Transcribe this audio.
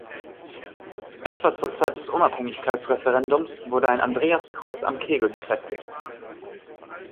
Etwa zur Zeit des Unabhängigkeitsreferendums wurde ein Andreaskreuz am Kegel befestigt.